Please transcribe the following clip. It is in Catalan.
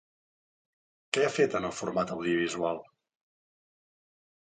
Què ha fet en el format audiovisual?